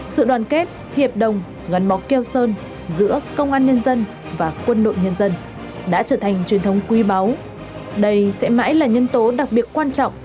sự đoàn kết hiệp đồng gắn móc kêu sơn giữa công an nhân dân và quân đội nhân dân đã trở thành truyền thống quý báu